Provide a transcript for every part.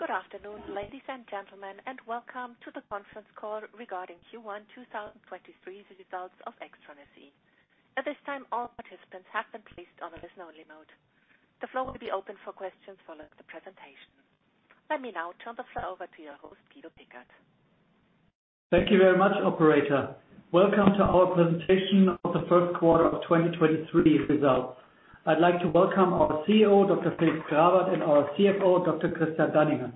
Good afternoon, ladies and gentlemen, welcome to the conference call regarding Q1 2023 results of AIXTRON SE. At this time, all participants have been placed on a listen only mode. The floor will be open for questions following the presentation. Let me now turn the floor over to your host, Guido Pickert. Thank you very much, operator. Welcome to our presentation of the first quarter of 2023 results. I'd like to welcome our CEO, Dr. Felix Grawert, and our CFO, Dr. Christian Danninger.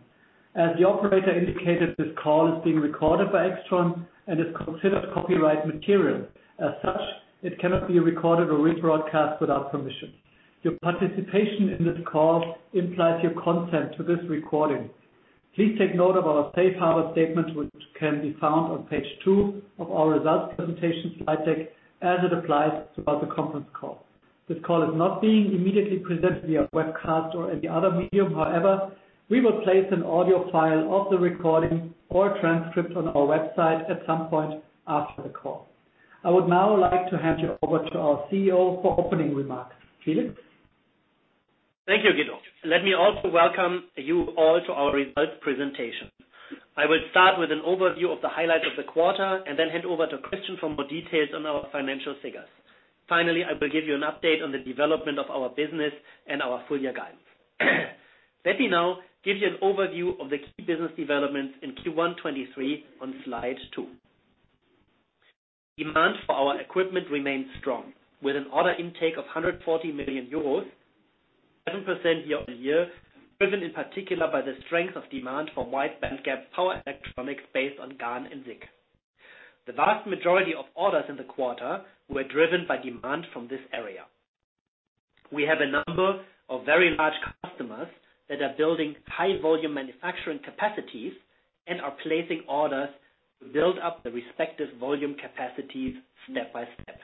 As the operator indicated, this call is being recorded by AIXTRON and is considered copyright material. As such, it cannot be recorded or rebroadcast without permission. Your participation in this call implies your consent to this recording. Please take note of our safe harbor statement, which can be found on page 2 of our results presentation slide deck as it applies throughout the conference call. We will place an audio file of the recording or transcript on our website at some point after the call. I would now like to hand you over to our CEO for opening remarks. Felix? Thank you, Guido. Let me also welcome you all to our results presentation. I will start with an overview of the highlights of the quarter and then hand over to Christian for more details on our financial figures. Finally, I will give you an update on the development of our business and our full year guidance. Let me now give you an overview of the key business developments in Q1 2023 on slide two. Demand for our equipment remains strong, with an order intake of 140 million euros, 7% year-over-year, driven in particular by the strength of demand for wide bandgap power electronics based on GaN and SiC. The vast majority of orders in the quarter were driven by demand from this area. We have a number of very large customers that are building high volume manufacturing capacities and are placing orders to build up the respective volume capacities step by step.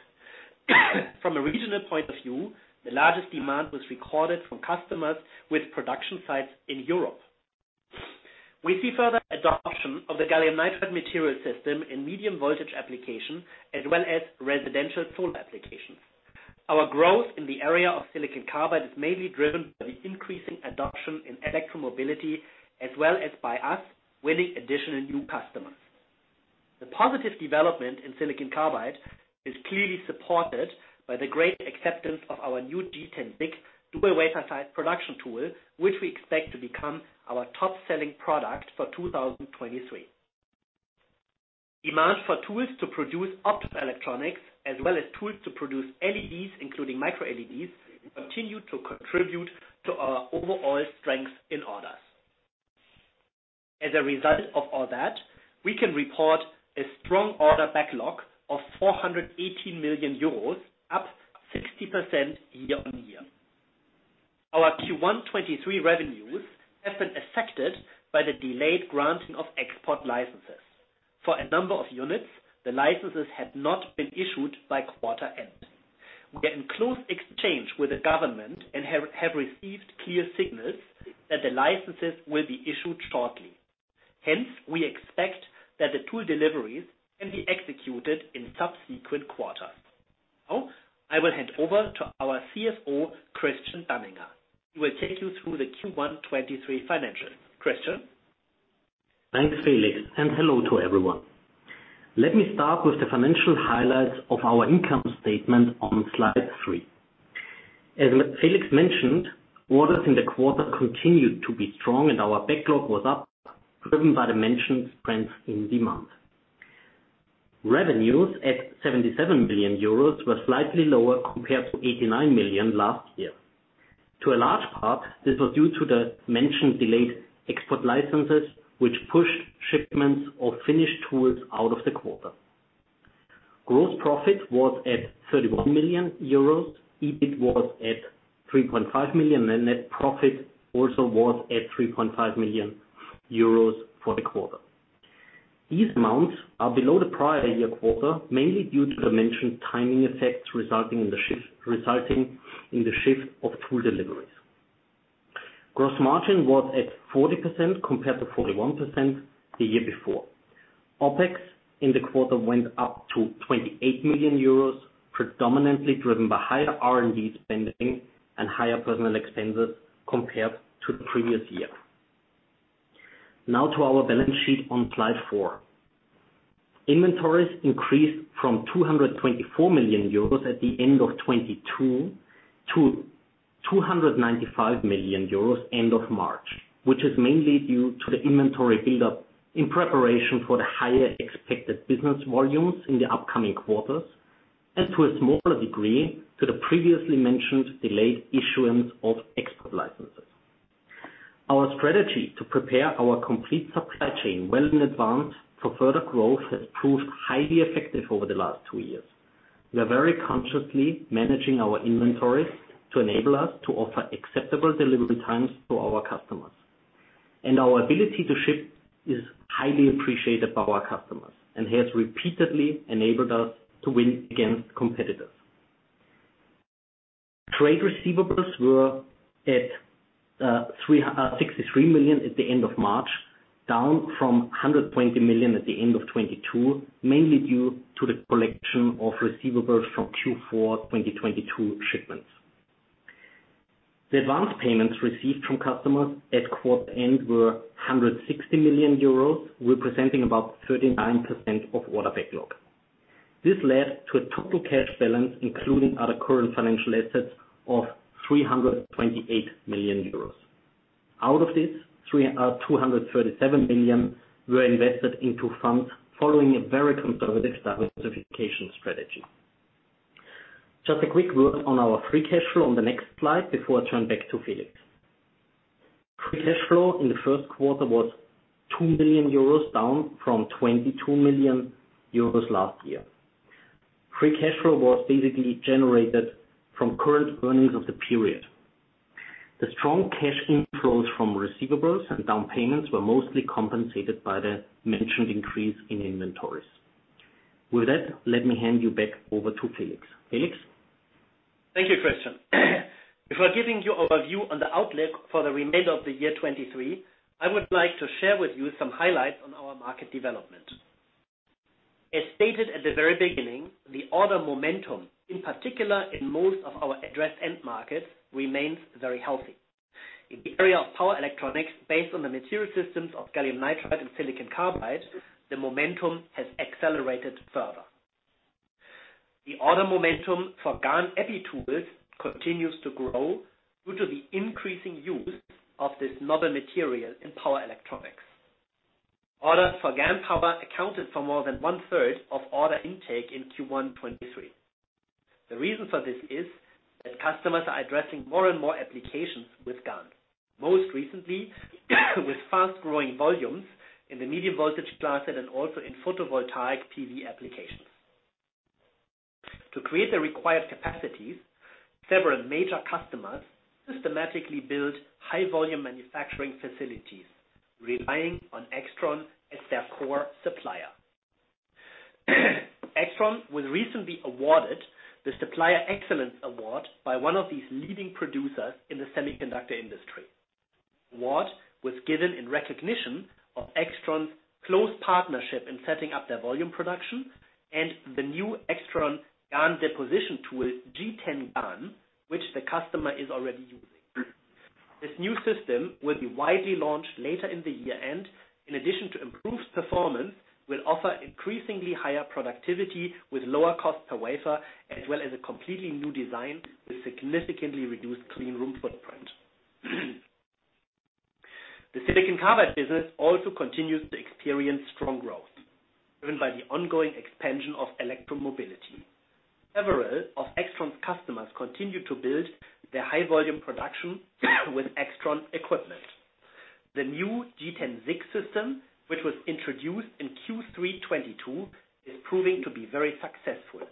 From a regional point of view, the largest demand was recorded from customers with production sites in Europe. We see further adoption of the gallium nitride material system in medium voltage application as well as residential solar applications. Our growth in the area of silicon carbide is mainly driven by the increasing adoption in electromobility as well as by us winning additional new customers. The positive development in silicon carbide is clearly supported by the great acceptance of our new G10-SiC dual wafer size production tool, which we expect to become our top selling product for 2023. Demand for tools to produce optoelectronics as well as tools to produce LEDs, including Micro LEDs, continue to contribute to our overall strength in orders. As a result of all that, we can report a strong order backlog of 418 million euros, up 60% year-on-year. Our Q1 2023 revenues have been affected by the delayed granting of export licenses. For a number of units, the licenses had not been issued by quarter end. We are in close exchange with the government and have received clear signals that the licenses will be issued shortly. Hence, we expect that the tool deliveries can be executed in subsequent quarters. I will hand over to our CFO, Christian Danninger. He will take you through the Q1 2023 financials. Christian? Thanks, Felix. Hello to everyone. Let me start with the financial highlights of our income statement on slide 3. As Felix mentioned, orders in the quarter continued to be strong and our backlog was up driven by the mentioned strength in demand. Revenues at 77 million euros were slightly lower compared to 89 million last year. To a large part, this was due to the mentioned delayed export licenses, which pushed shipments of finished tools out of the quarter. Gross profit was at 31 million euros. EBIT was at 3.5 million. Net profit also was at 3.5 million euros for the quarter. These amounts are below the prior year quarter, mainly due to the mentioned timing effects resulting in the shift of tool deliveries. Gross margin was at 40% compared to 41% the year before. OpEx in the quarter went up to 28 million euros, predominantly driven by higher R&D spending and higher personnel expenses compared to the previous year. Now to our balance sheet on slide 4. Inventories increased from 224 million euros at the end of 2022 to 295 million euros end of March. Which is mainly due to the inventory build up in preparation for the higher expected business volumes in the upcoming quarters, and to a smaller degree, to the previously mentioned delayed issuance of export licenses. Our strategy to prepare our complete supply chain well in advance for further growth has proved highly effective over the last two years. We are very consciously managing our inventories to enable us to offer acceptable delivery times to our customers. Our ability to ship is highly appreciated by our customers and has repeatedly enabled us to win against competitors. Trade receivables were at 63 million at the end of March. Down from 120 million at the end of 2022, mainly due to the collection of receivables from Q4 2022 shipments. The advanced payments received from customers at quarter end were 160 million euros, representing about 39% of order backlog. This led to a total cash balance, including other current financial assets of 328 million euros. Out of this, 237 million were invested into funds following a very conservative diversification strategy. Just a quick word on our free cash flow on the next slide before I turn back to Felix. Free cash flow in the first quarter was 2 million euros, down from 22 million euros last year. Free cash flow was basically generated from current earnings of the period. The strong cash inflows from receivables and down payments were mostly compensated by the mentioned increase in inventories. Let me hand you back over to Felix. Felix? Thank you, Christian. Before giving you overview on the outlook for the remainder of the year 2023, I would like to share with you some highlights on our market development. As stated at the very beginning, the order momentum, in particular in most of our address end markets, remains very healthy. In the area of power electronics, based on the material systems of gallium nitride and silicon carbide, the momentum has accelerated further. The order momentum for GaN epi tools continues to grow due to the increasing use of this novel material in power electronics. Orders for GaN power accounted for more than 1/3 of order intake in Q1 2023. The reason for this is that customers are addressing more and more applications with GaN. Most recently, with fast-growing volumes in the medium voltage class and then also in photovoltaic PV applications. To create the required capacities, several major customers systematically build high volume manufacturing facilities, relying on AIXTRON as their core supplier. AIXTRON was recently awarded the Supplier Excellence Award by one of these leading producers in the semiconductor industry. Award was given in recognition of AIXTRON's close partnership in setting up their volume production and the new AIXTRON GaN deposition tool, G10-GaN, which the customer is already using. This new system will be widely launched later in the year end. In addition to improved performance, will offer increasingly higher productivity with lower cost per wafer, as well as a completely new design with significantly reduced clean room footprint. The silicon carbide business also continues to experience strong growth, driven by the ongoing expansion of electromobility. Several of AIXTRON's customers continue to build their high volume production with AIXTRON equipment. The new G10-SiC system, which was introduced in Q3 2022, is proving to be very successful,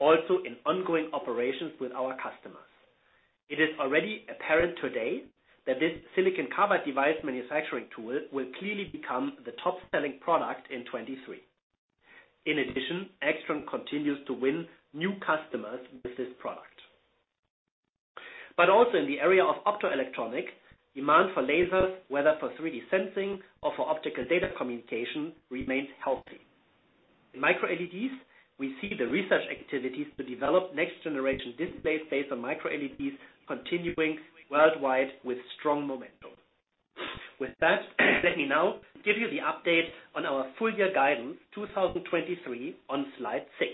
also in ongoing operations with our customers. It is already apparent today that this silicon carbide device manufacturing tool will clearly become the top-selling product in 2023. AIXTRON continues to win new customers with this product. In the area of optoelectronics, demand for lasers, whether for 3D sensing or for optical data communication, remains healthy. In Micro LEDs, we see the research activities to develop next generation displays based on Micro LEDs continuing worldwide with strong momentum. With that, let me now give you the update on our full year guidance 2023 on slide 6.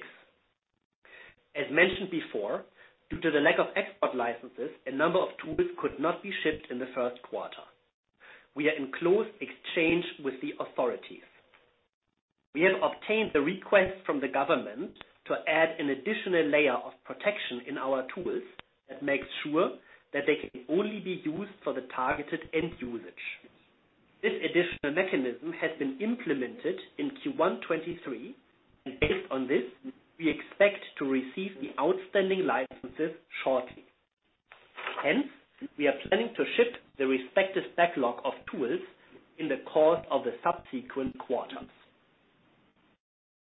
As mentioned before, due to the lack of export licenses, a number of tools could not be shipped in the first quarter. We are in close exchange with the authorities. We have obtained the request from the government to add an additional layer of protection in our tools that makes sure that they can only be used for the targeted end usage. This additional mechanism has been implemented in Q1 2023, and based on this, we expect to receive the outstanding licenses shortly. We are planning to ship the respective backlog of tools in the course of the subsequent quarters.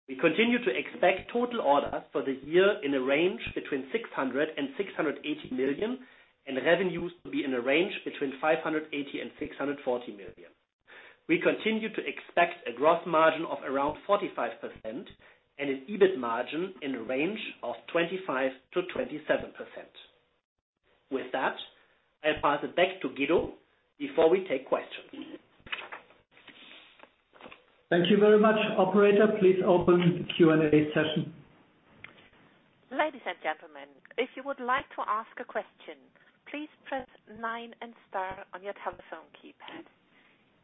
We continue to expect total orders for the year in a range between 600 million and 680 million, and revenues to be in a range between 580 million and 640 million. We continue to expect a gross margin of around 45% and an EBIT margin in the range of 25%-27%. With that, I'll pass it back to Guido before we take questions. Thank you very much. Operator, please open the Q&A session. Ladies and gentlemen, if you would like to ask a question, please press nine and star on your telephone keypad.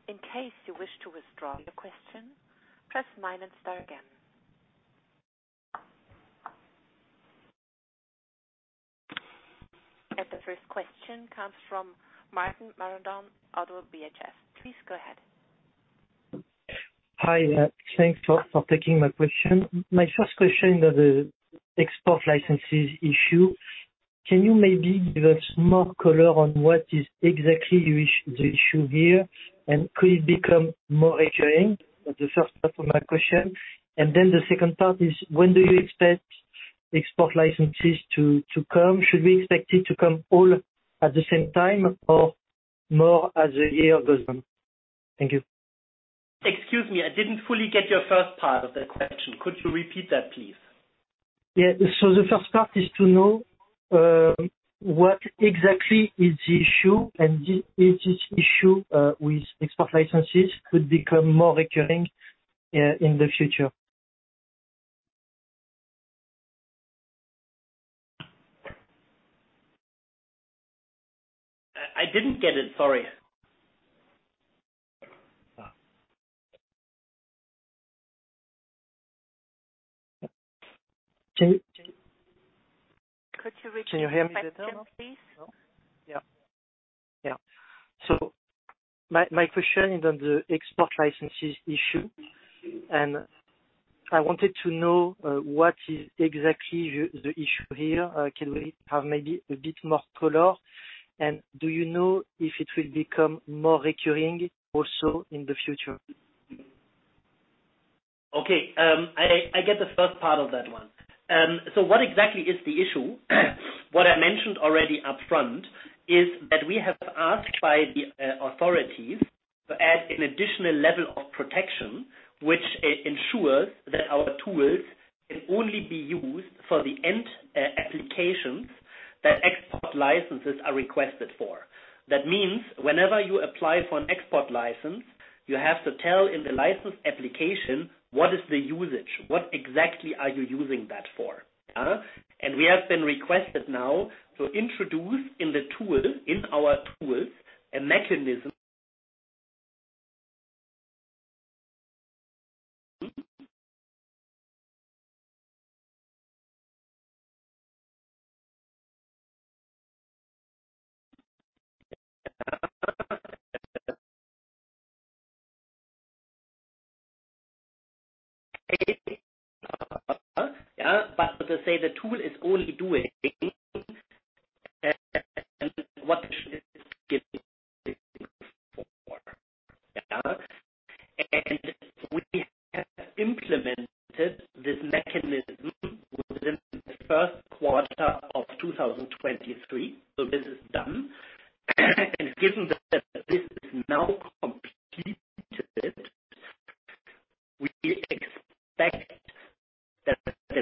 In case you wish to withdraw your question, press nine and star again. The first question comes from Martin Marandon-Carlhian, ODDO BHF. Please go ahead. Hi, thanks for taking my question. My first question on the export licenses issue, can you maybe give us more color on what is exactly the issue here? Could it become more recurring? That's the first part of my question. The second part is, when do you expect export licenses to come, should we expect it to come all at the same time or more as the year goes on? Thank you. Excuse me, I didn't fully get your first part of that question. Could you repeat that, please? Yeah. The first part is to know, what exactly is the issue, and is this issue, with export licenses could become more recurring, in the future. I didn't get it, sorry. Can you- Could you repeat the question, please? Can you hear me better now? Yeah. Yeah. My, my question is on the export licenses issue, and I wanted to know, what is exactly the issue here? Can we have maybe a bit more color, and do you know if it will become more recurring also in the future? Okay. I get the first part of that one. What exactly is the issue? What I mentioned already upfront is that we have asked by the authorities to add an additional level of protection, which ensures that our tools can only be used for the end applications that export licenses are requested for. That means whenever you apply for an export license, you have to tell in the license application what is the usage, what exactly are you using that for? We have been requested now to introduce in the tool, in our tools, a mechanism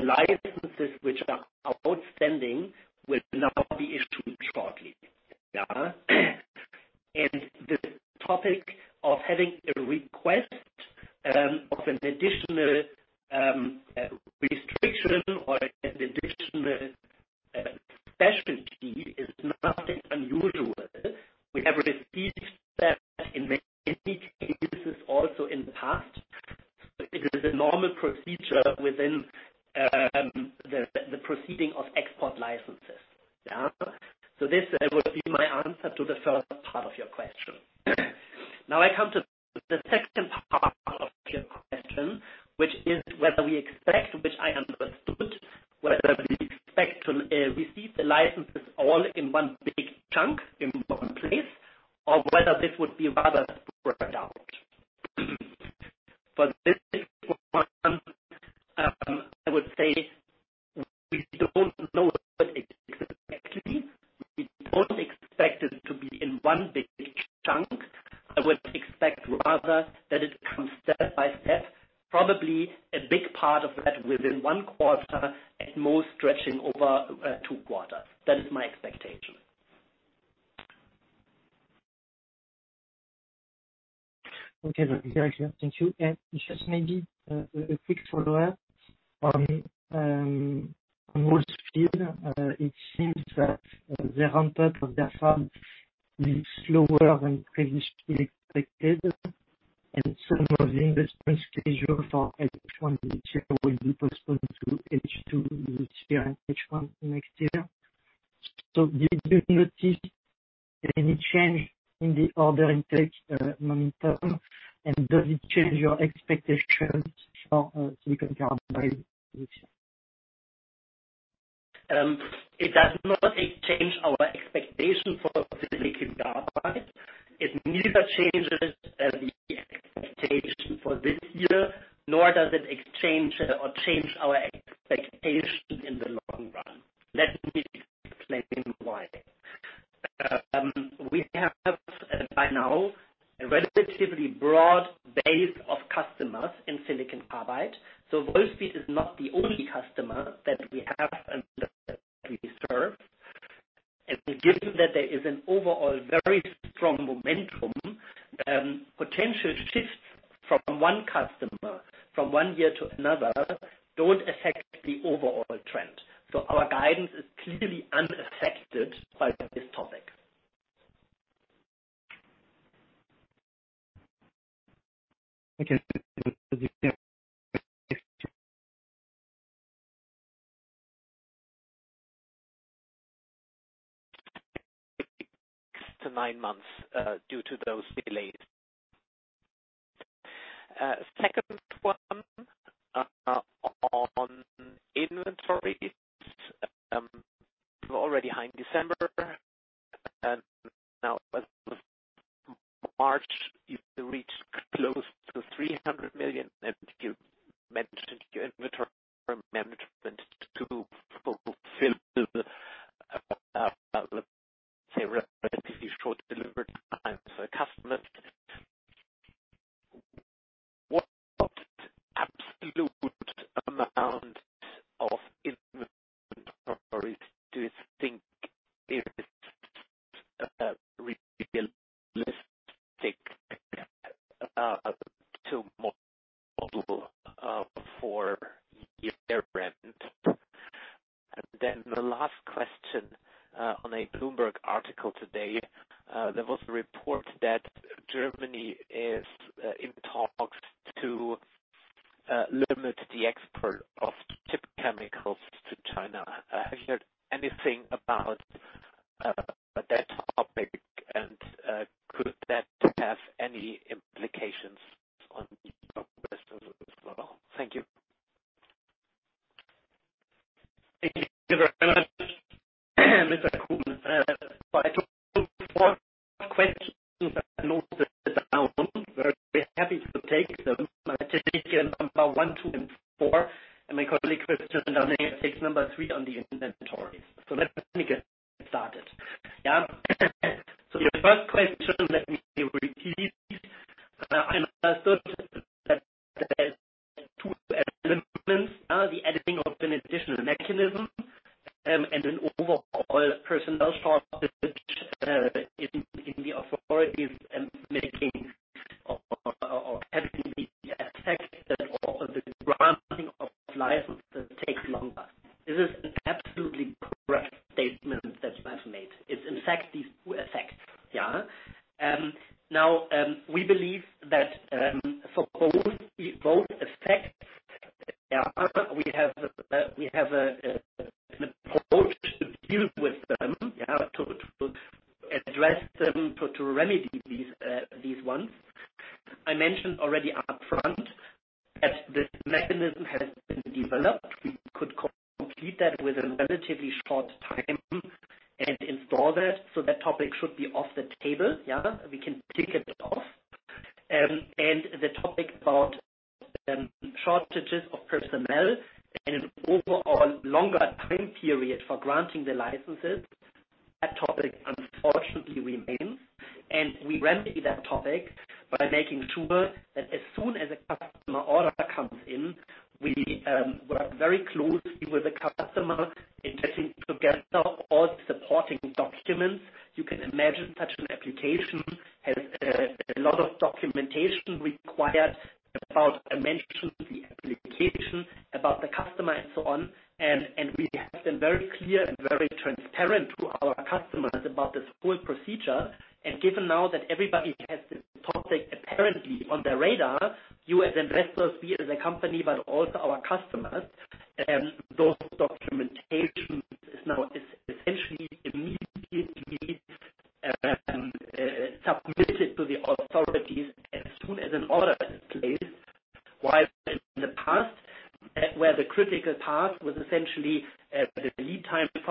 licenses which are outstanding It neither changes the expectation for this year, nor does it exchange or change our expectation in the long run. Let me explain why. We have by now a relatively broad base of customers in silicon carbide. Wolfspeed is not the only customer that we have and that we serve. Given that there is an overall very strong momentum, potential shifts from one customer from one year to another don't affect the overall trend. Our guidance is clearly unaffected by this topic. Okay. Thank you. Six to nine months due to those delays. Second one on inventories. We're already high in December. March, you reached close to 300 million, and you mentioned your inventory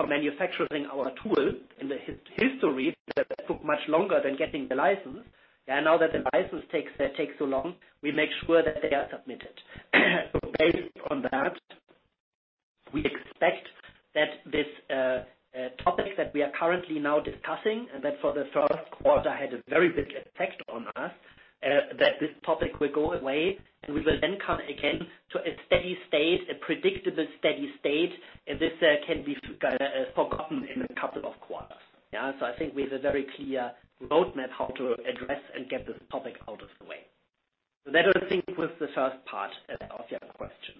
lead time for manufacturing our tool. In the history, that took much longer than getting the license. Now that the license takes so long, we make sure that they are submitted. Based on that, we expect that this topic that we are currently now discussing, and that for the 1st quarter had a very big effect on us, that this topic will go away, and we will then come again to a steady state, a predictable, steady state, and this can be forgotten in a couple of quarters. Yeah. I think we have a very clear roadmap how to address and get this topic out of the way. That I think was the 1st part of your question.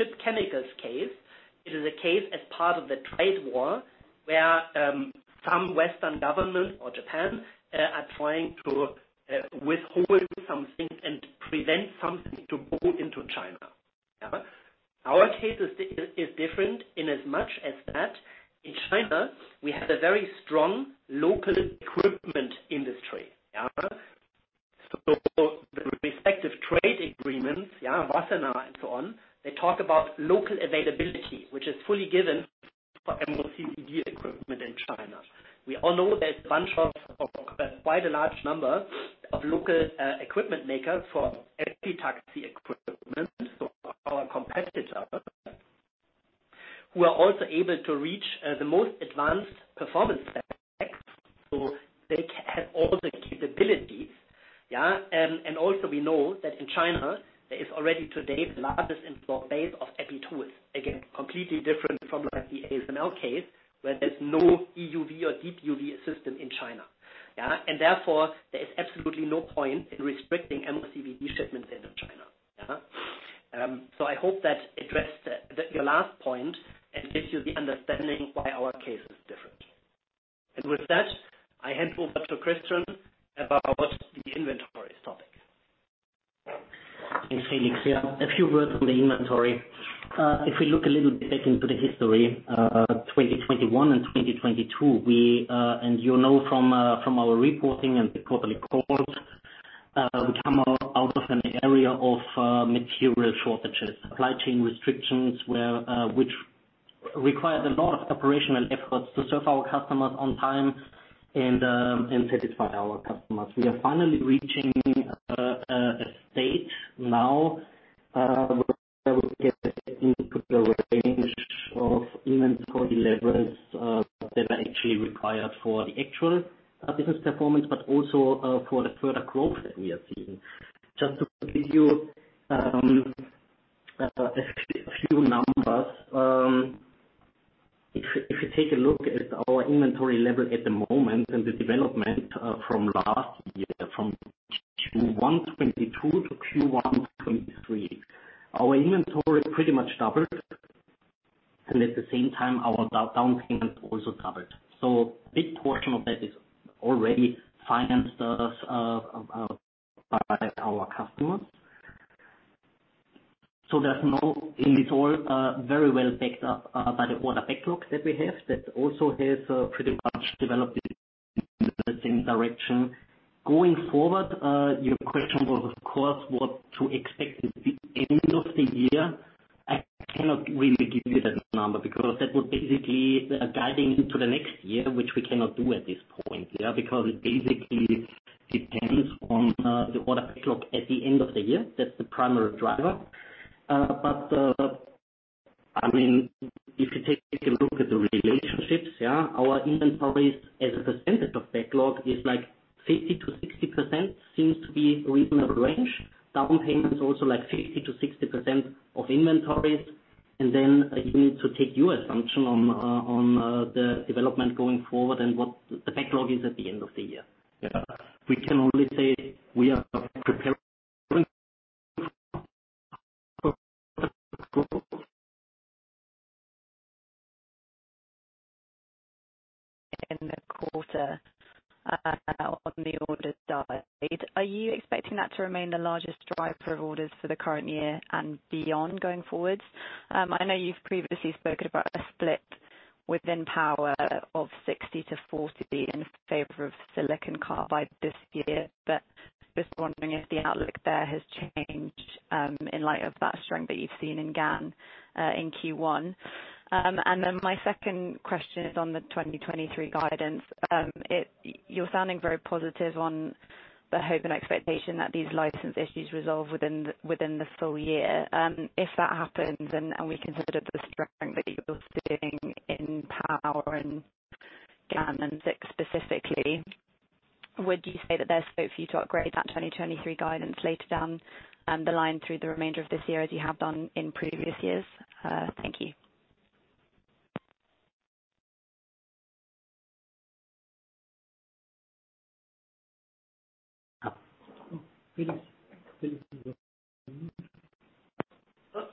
The further two questions from you. Like the ASML case, which recently, maybe one month, two months ago, went through the media. We clearly see that our case is very different, for the following reasons. Both in the ASML case and also as I understand it, I'm not a specialist in that, as I understand the chips, chip chemicals case. It is a case as part of the trade war, where some Western governments or Japan are trying to withhold something and prevent something to go into China. Yeah. Our case is different in as much as that in China, we have a very strong local equipment industry. Yeah. The respective trade agreements, yeah, Wassenaar and so on, they talk about local availability, which is fully given for MOCVD equipment in China. We all know there's a bunch of quite a large number of local equipment makers for epitaxy equipment. Our competitors who are also able to reach the most advanced performance specs, so they have all the capabilities, yeah. Also we know that in China there is already today the largest installed base of epi tools. Again, completely different from like the ASML case where there's no EUV or deep UV system in China. Therefore, there is absolutely no point in restricting MOCVD shipments into China. I hope that addressed your last point and gives you the understanding why our case is different. With that, I hand over to Christian about the inventories topic. Thanks, Felix. A few words on the inventory. If we look a little bit back into the history, 2021 and 2022, we, and you know from our reporting and the quarterly calls, we come out of an area of material shortages, supply chain restrictions, where which required a lot of operational efforts to serve our customers on time and satisfy our customers. We are finally reaching a state now where we get into the range of inventory levels that are actually required for the actual business performance, but also for the further growth that we are seeing. Just to give you a few numbers. If you take a look at our inventory level at the moment and the development from last year, from Q1 2022 to Q1 2023, our inventory pretty much doubled, and at the same time, our down payment also doubled. Big portion of that is already financed by our customers. It's all very well backed up by the order backlog that we have. That also has pretty much developed in the same direction. Going forward, your question was, of course, what to expect at the end of the year. I cannot really give you that number because that would basically be guiding into the next year, which we cannot do at this point, yeah? It basically depends on the order backlog at the end of the year. That's the primary driver. I mean, if you take a look at the relationships, yeah, our inventories as a percentage of backlog is like 50%-60% seems to be a reasonable range. Down payment is also like 50%-60% of inventories. Then you need to take your assumption on the development going forward and what the backlog is at the end of the year. We can only say we are preparing. In the quarter, on the orders side. Are you expecting that to remain the largest driver of orders for the current year and beyond going forward? I know you've previously spoken about a split within power of 60 to 40 in favor of silicon carbide this year, but just wondering if the outlook there has changed, in light of that strength that you've seen in GaN, in Q1. My second question is on the 2023 guidance. You're sounding very positive on the hope and expectation that these license issues resolve within the full year. If that happens and we consider the strength that you're seeing in power and GaN and SiC specifically, would you say that there's scope for you to upgrade that 2023 guidance later down the line through the remainder of this year, as you have done in previous years? Thank you. Felix? Felix, you're on mute.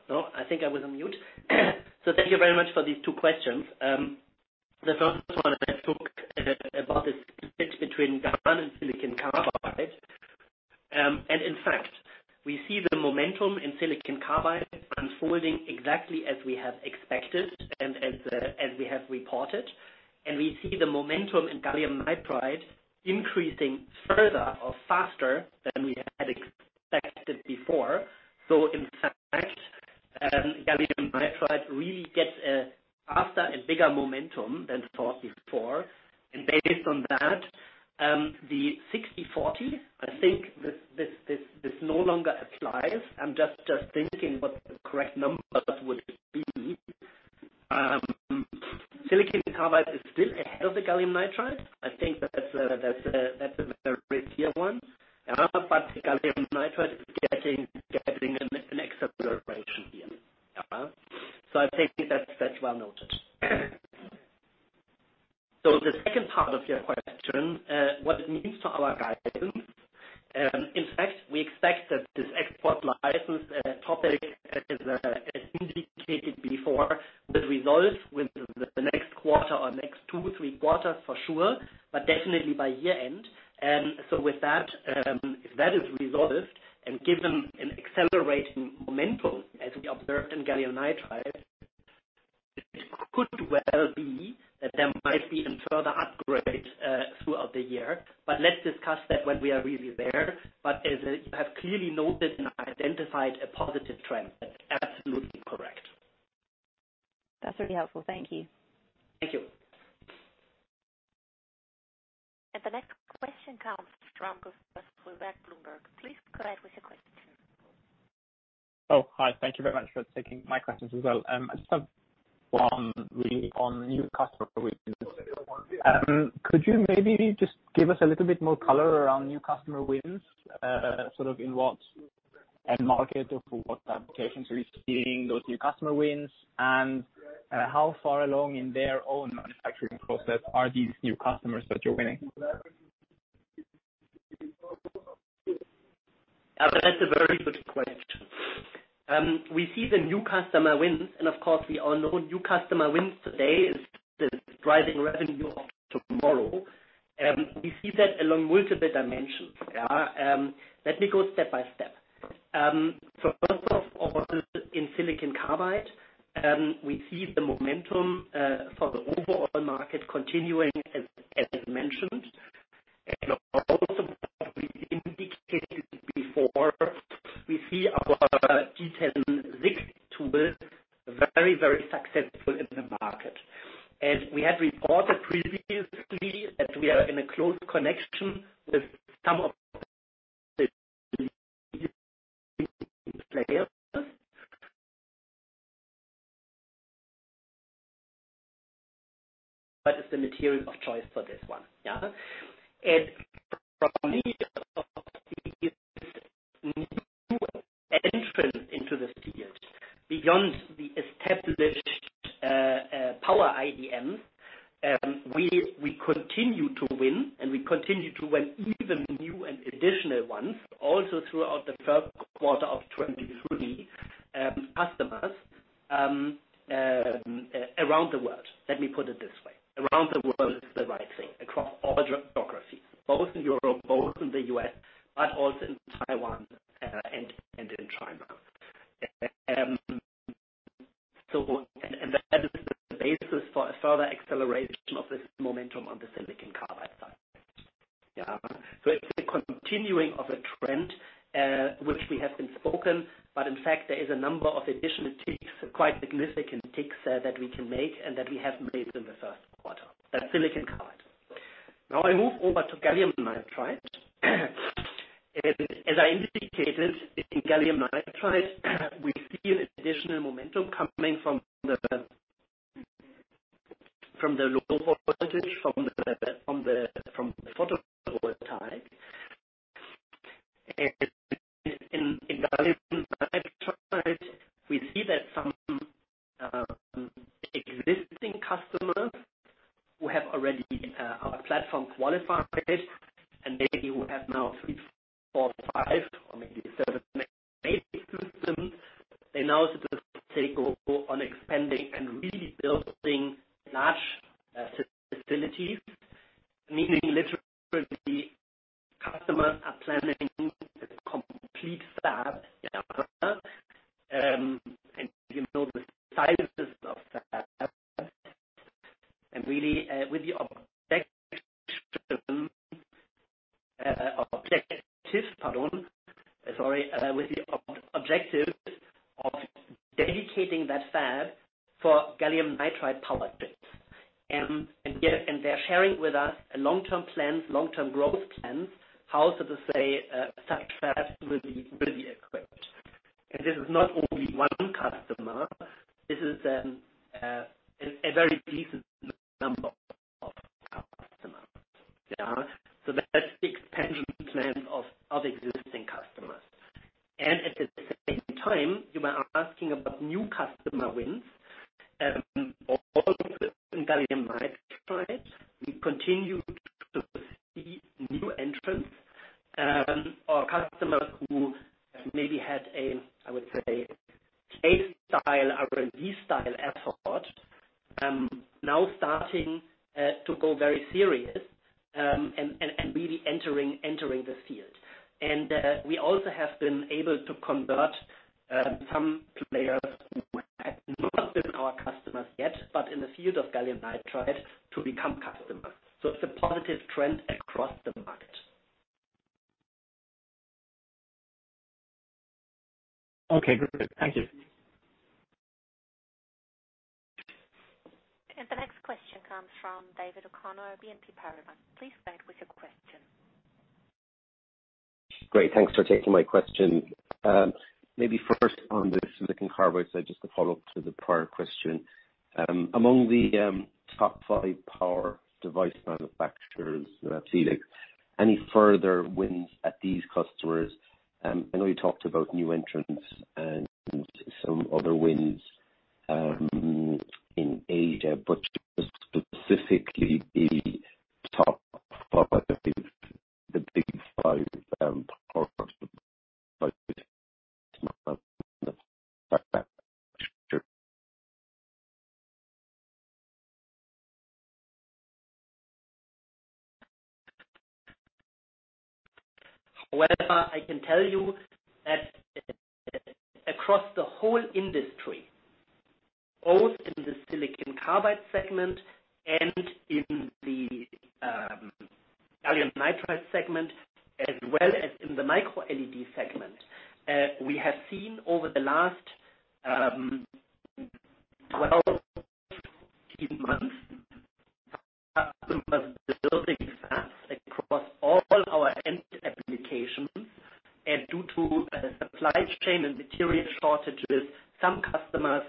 No, I think I was on mute. Thank you very much for these 2 questions. The first one that talked about the split between GaN and silicon carbide. In fact, we see the momentum in silicon carbide unfolding exactly as we have expected and as we have reported. We see the momentum in gallium nitride increasing further or faster than we had expected before. In fact, gallium nitride really gets a faster and bigger momentum than thought before. Based on that, the one really on new customer wins. Could you maybe just give us a little bit more color around new customer wins, sort of in what end market or for what applications are you seeing those new customer wins? How far along in their own manufacturing process are these new customers that you're winning? That's a very good question. We see the new customer wins and of course we all know new customer wins today is the driving revenue of tomorrow. We see that along multiple dimensions. Let me go step-by-step. First off, in silicon carbide, we see the momentum for the overall market continuing as mentioned. Also we indicated before, we see our G10-SiC tools very, very successful in the market. It's the material of choice for this one. For many of these new entrants into this field, beyond the established power IDMs, we continue to win and we continue to win even new and additional ones also throughout the first quarter of 2023, customers around the world. Let me put it this way. Around the world is the right thing. Across all geographies, both in Europe, both in the U.S., but also in Taiwan and in China. That is the basis for a further acceleration of this momentum on the silicon carbide side. Yeah. It's a continuing of a trend which we have been spoken, but in fact there is a number of additional ticks, quite significant ticks, that we can make and that we have made in the first quarter. That's silicon carbide. Now I move over to gallium nitride. As I indicated in gallium nitride, we see an additional momentum coming from the low voltage, from the photovoltaic. In gallium nitride, we see that some existing customers who have already our platform qualified and maybe who have now three, four, not only one customer, this is a very decent number of customers. Yeah. That's the expansion plans of existing customers. At the same time, you were asking about new customer wins. Also in gallium nitride, we continue to see new entrants, or customers who maybe had a, I would say A-style, R&D-style effort, now starting to go very serious, and really entering this field. We also have been able to convert some players who have not been our customers yet, but in the field of gallium nitride to become customers. It's a positive trend across the market. Okay, perfect. Thank you. The next question comes from David O'Connor, BNP Paribas. Please go ahead with your question. Great, thanks for taking my question. Maybe first on the silicon carbide side, just to follow up to the prior question. Among the top five power device manufacturers in CELEX, any further wins at these customers? I know you talked about new entrants and some other wins in Asia, but just specifically the top five, the big five, power device manufacturers. Well, I can tell you that across the whole industry, both in the silicon carbide segment and in the gallium nitride segment, as well as in the Micro LED segment, we have seen over the last, 12, 18 months, customers building fabs across all our end applications. Due to supply chain and material shortages, some customers,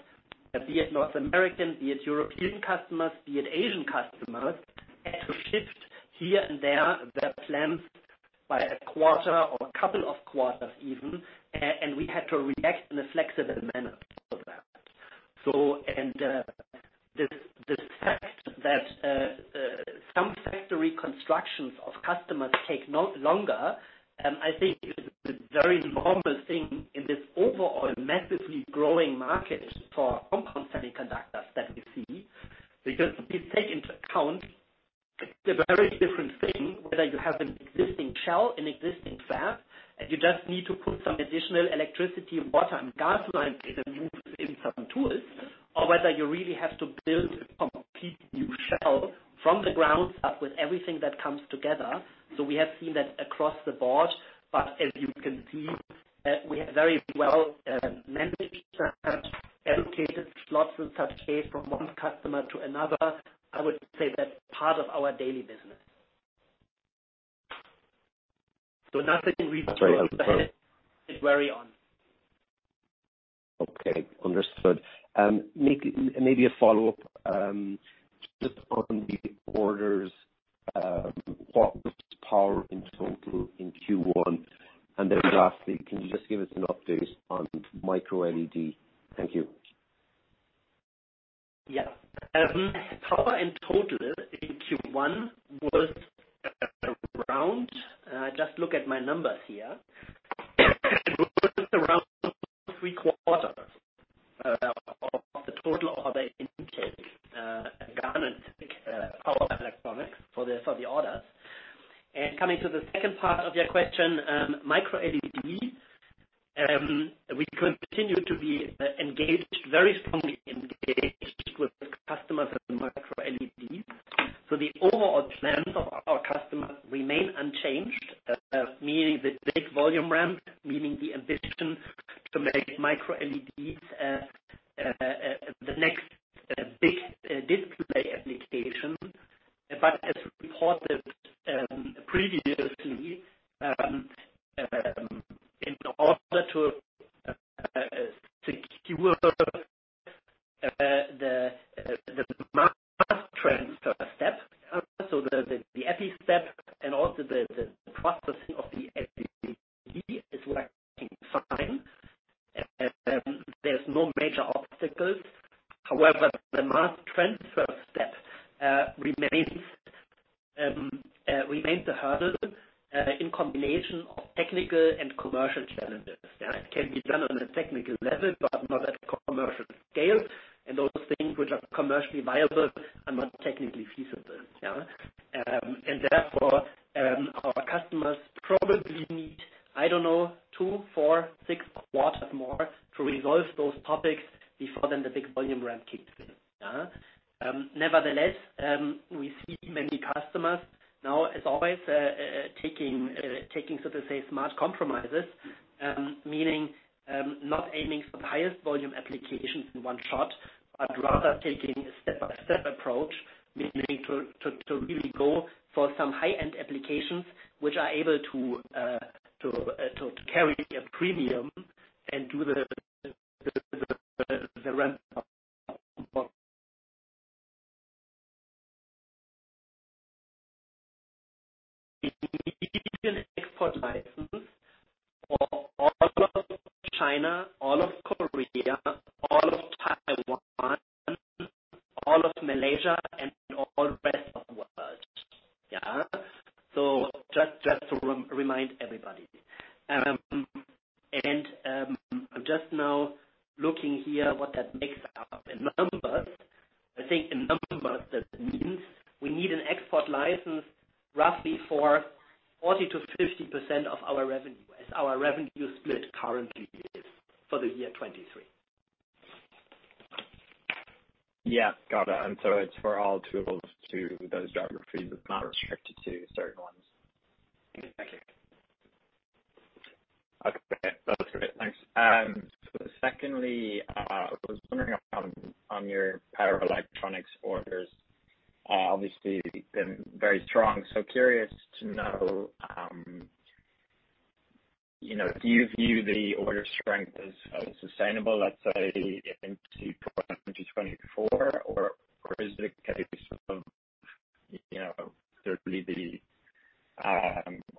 be it North American, be it European customers, be it Asian customers, had to shift here and there their plans by a quarter or a couple of quarters even, and we had to react in a flexible manner. The fact that some factory constructions of customers take no longer, I think is a very normal thing in this overall massively growing market for compound semiconductors that we see. If you take into account, it's a very different thing, whether you have an existing shell, an existing fab, and you just need to put some additional electricity, water, and gas lines, and then move in some tools, or whether you really have to build a complete new shell from the ground up with everything that comes together. We have seen that across the board. As you can see, we have very well managed each such allocated slots in such case from one customer to another. I would say that's part of our daily business. Nothing. Sorry, I'm sorry. Go ahead. Carry on. Okay. Understood. maybe a follow-up, just on the orders. What was power in total in Q1? Lastly, can you just give us an update on Micro LEDs? Thank you. Yeah. Power in total in Q1 was around, just look at my numbers here. It was around three quarters of the total order intake garnered power electronics for the orders. Coming to the second part of your question, Micro ramp up. We need an export license for all of China, all of Korea, all of Taiwan, all of Malaysia, and all rest of world, yeah. Just to remind everybody. I'm just now looking here what that makes up in numbers. I think in numbers that means we need an export license roughly for 40% to 50% of our revenue, as our revenue split currently is for the year 2023. Yeah. Got it. It's for all tools to those geographies. It's not restricted to certain ones. Mm-hmm. Thank you. Okay. That's great. Thanks. Secondly, I was wondering on your power electronics orders, obviously been very strong, so curious to know, you know, do you view the order strength as sustainable, let's say into 2024, or is it a case of, you know, certainly the,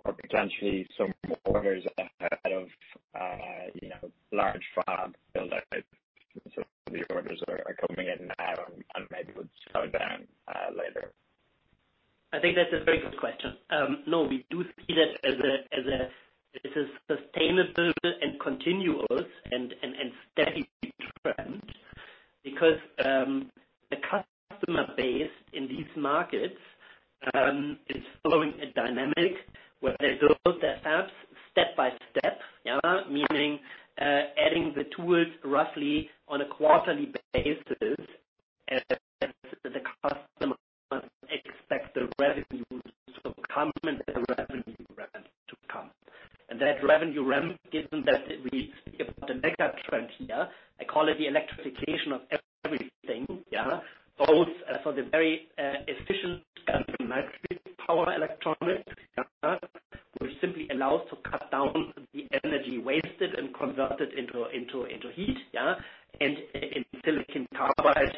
or potentially some orders ahead of, you know, large fab build out, the orders are coming in now and maybe would slow down later? I think that's a very good question. No, we do see that as a, this is sustainable and continuous and steady trend because the customer base in these markets is following a dynamic where they build their fabs step by step, yeah. Meaning, adding the tools roughly on a quarterly basis as the customer expects the revenue to come and the revenue ramp to come. That revenue ramp, given that we speak about the megatrend here, I call it the electrification of everything, yeah, both for the very efficient electric power electronics, yeah, which simply allows to cut down the energy wasted and convert it into heat, yeah. In silicon carbide,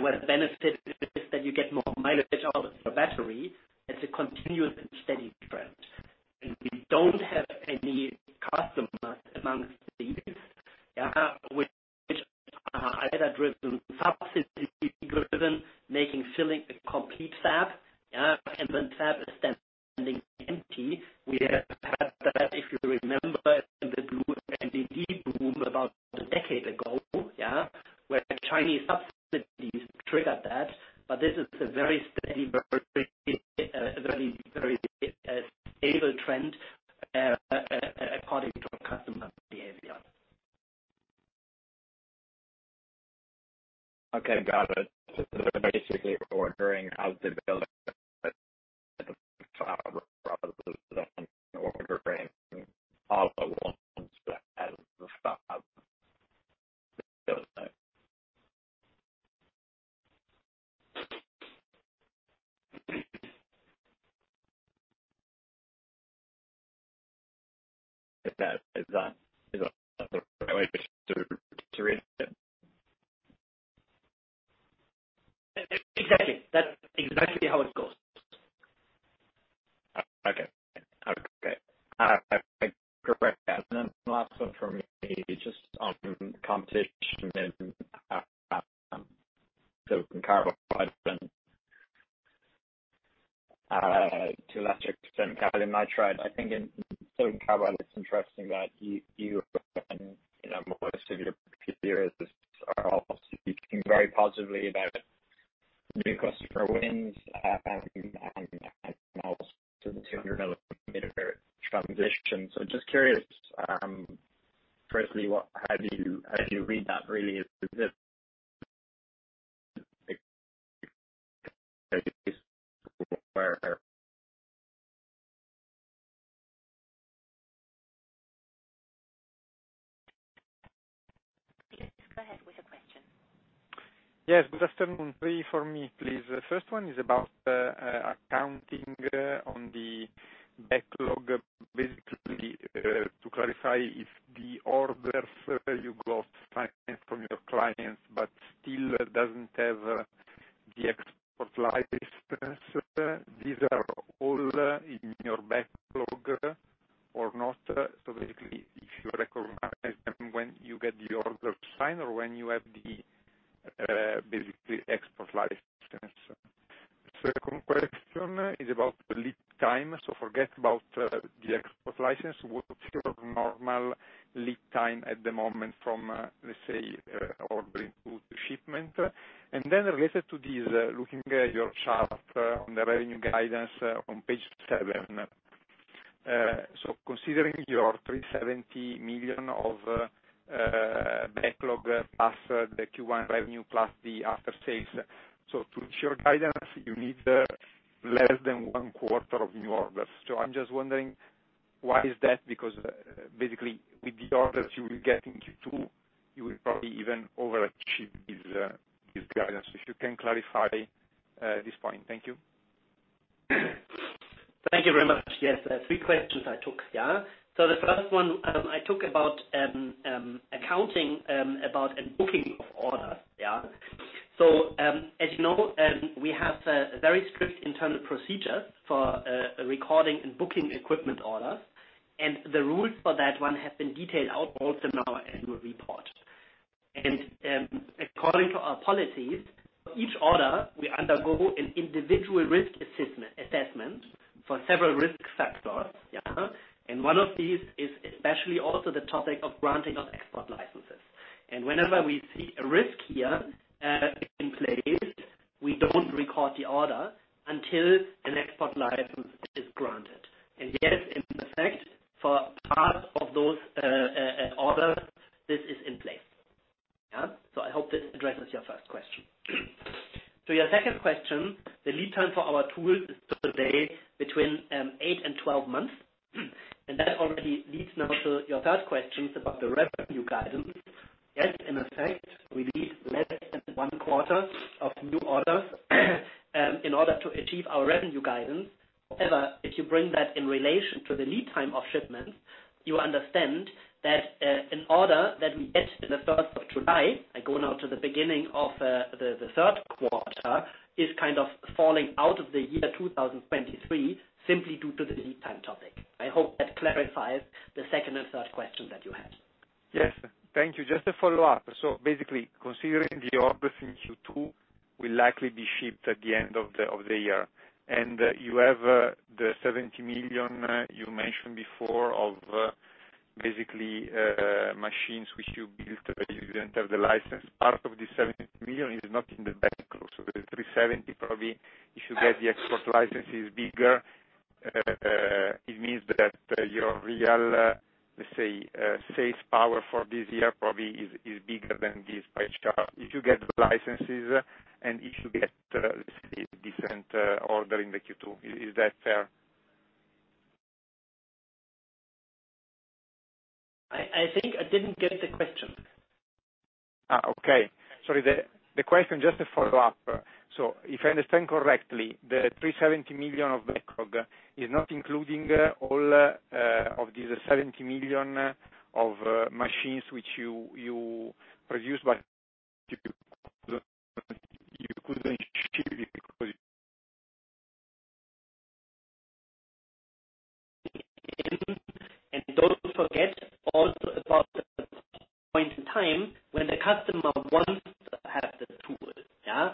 where the benefit is that you get more mileage out of the battery, it's a continuous and steady trend. We don't have any customers among these, yeah, which are either driven, subsidy driven, making, filling a complete fab, yeah, and the fab is then standing empty. We have had that, if you remember, in the blue LED boom about a decade ago, yeah, where Chinese subsidies triggered that. This is a very steady, very, very able trend, according to our customer behavior. Okay, got it. They're basically ordering as they build all the ones that have the fab. Is that the right way to read it? Exactly. That's exactly how it goes. Okay. I correct that. Last one for me, just on competition in silicon carbide and to a lesser extent, gallium nitride. I think in silicon carbide, it's interesting that you know, most of your peers are all speaking very positively about new customer wins and also the 200 millimeter transition. Just curious, firstly, how do you, how do you read that really? Is it. Please go ahead with the question. Yes, good afternoon. Three for me, please. The first one is about accounting on the backlog. Basically, to clarify if the orders you got signed from your clients but still doesn't have the export license, these are all in your backlog or not? Basically, if you recognize them when you get the order signed or when you have the basically export license? Second question is about the lead time. Forget about the export license. What's your normal lead time at the moment from, let's say, ordering to shipment? Related to this, looking at your chart on the revenue guidance on page 7. Considering your 370 million of backlog plus the Q1 revenue plus the after-sales, to reach your guidance, you need less than one quarter of new orders. I'm just wondering why is that? Basically with the orders you will get in Q2, you will probably even overachieve this guidance. If you can clarify this point. Thank you. Thank you very much. Yes, 3 questions I took. The first one, I took about accounting, about a booking of orders. As you know, we have a very strict internal procedure for recording and booking equipment orders. The rules for that one have been detailed out also in our annual report. According to our policies, each order we undergo an individual risk assessment for several risk factors. One of these is especially also the topic of granting of export licenses. Whenever we see a risk here in place, we don't record the order until an export license is granted. Yes, in fact, for part of those order, this is in place. I hope this addresses your first question. To your second question, the lead time for our tools is today between eight and 12 months. That already leads now to your third question about the revenue guidance. Yes, in effect, we need less than one quarter of new orders in order to achieve our revenue guidance. However, if you bring that in relation to the lead time of shipments, you understand that an order that we get in the first of July, I go now to the beginning of the third quarter, is kind of falling out of the year 2023 simply due to the lead time topic. I hope that clarifies the second and third question that you had. Yes. Thank you. Just to follow up. Basically, considering the orders in Q2 will likely be shipped at the end of the year, and you have the 70 million you mentioned before of basically, machines which you built, but you didn't have the license. Part of the 70 million is not in the bank. The 370 probably if you get the export license is bigger. It means that your real, let's say, sales power for this year probably is bigger than this pie chart. If you get the licenses and if you get, let's say, different order in the Q2, is that fair? I think I didn't get the question. Okay. Sorry. The question just to follow up. If I understand correctly, the 370 million of backlog is not including all of these 70 million of machines which you produced but. Don't forget also about the point in time when the customer wants to have the tool. Yeah.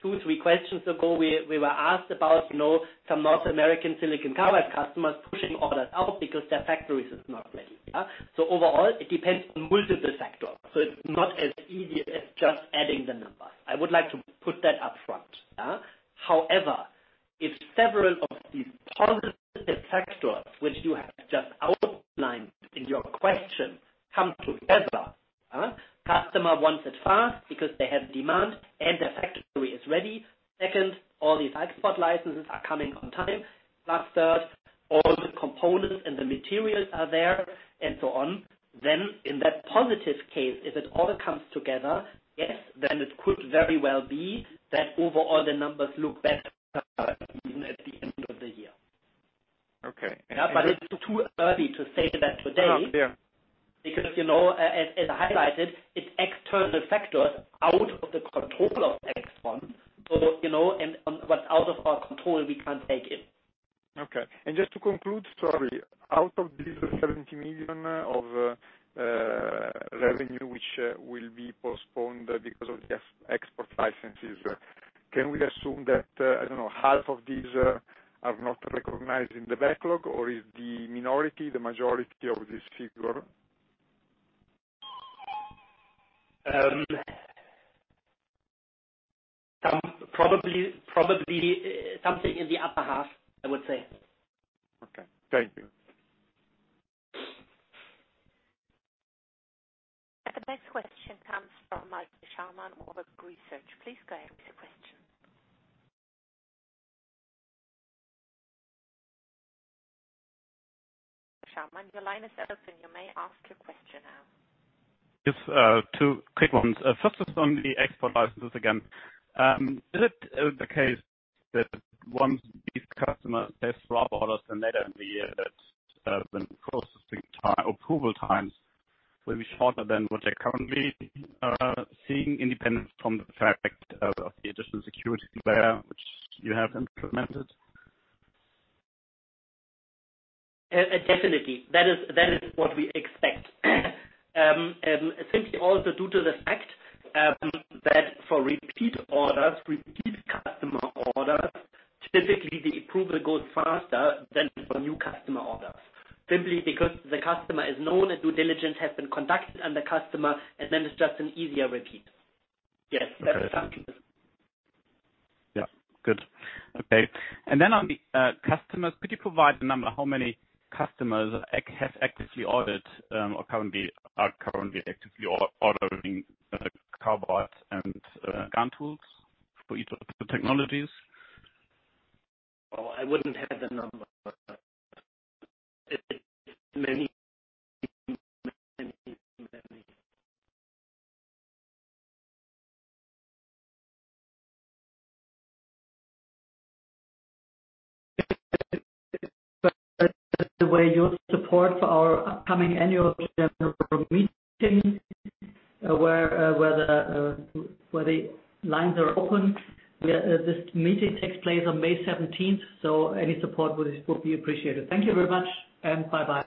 Two, three questions ago, we were asked about, you know, some North American silicon carbide customers pushing orders out because their factories is not ready. Yeah. Overall, it depends on multiple factors. It's not as easy as just adding the numbers. I would like to put that up front. Yeah. However, if several of these positive factors, which you have just outlined in your question, come together, customer wants it fast because they have demand and their factory is ready. Second, all these export licenses are coming on time. Plus third, all the components and the materials are there and so on. In that positive case, if it all comes together, yes, then it could very well be that overall the numbers look better even at the end of the year. Okay. It's too early to say that today. Yeah. You know, as I highlighted, it's external factors out of the control of AIXTRON. You know, and, what's out of our control, we can't take in. Okay. Just to conclude, sorry, out of this 70 million of revenue which will be postponed because of the ex-export licenses, can we assume that, I don't know, half of these are not recognized in the backlog or is the minority the majority of this figure? Probably something in the upper half, I would say. Okay, thank you. The next question comes from Malte Schaumann, Warburg Research. Please go ahead with your question. Malte Schaumann, your line is open. You may ask your question now. Yes, two quick ones. First is on the export licenses again. Is it the case that once these customers place orders and later in the year that, when approval times will be shorter than what they're currently seeing independent from the fact of the additional security layer which you have implemented? Definitely. That is what we expect. Simply also due to the fact that for repeat orders, repeat customer orders, typically the approval goes faster than for new customer orders. Simply because the customer is known, due diligence has been conducted on the customer, and then it's just an easier repeat. Yes, that's the function. Yeah. Good. Okay. Then on the customers, could you provide the number, how many customers have actively ordered, or are currently actively ordering, Carbide and GaN tools for each of the technologies? Oh, I wouldn't have the number. Many. By the way your support for our upcoming annual general meeting where the lines are open. This meeting takes place on May seventeenth, any support would be appreciated. Thank you very much and bye-bye.